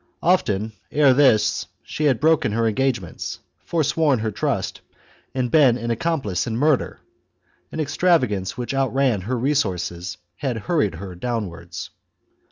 Often ere this she had broken her engage ments, forsworn her trust, and been an accomplice in murder ; an extravagance which outran her resources had hurried her downwards.